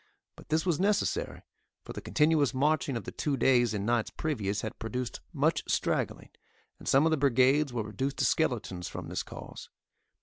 But this was necessary, for the continuous marching of the two days and nights previous had produced much straggling, and some of the brigades were reduced to skeletons from this cause.